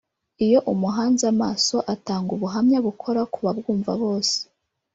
Iyo umuhanze amaso atanga ubu buhamya bukora ku babwumva bose